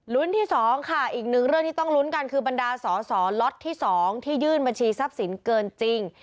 ที่๒ค่ะอีกหนึ่งเรื่องที่ต้องลุ้นกันคือบรรดาสอสอล็อตที่๒ที่ยื่นบัญชีทรัพย์สินเกินจริง